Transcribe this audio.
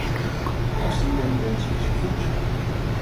Belastingconcurrentie is een goede zaak.